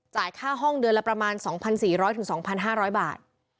ค่าห้องเดือนละประมาณ๒๔๐๐๒๕๐๐บาท